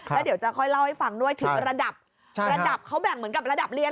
แล้วเดี๋ยวจะค่อยเล่าให้ฟังด้วยถึงระดับระดับเขาแบ่งเหมือนกับระดับเรียน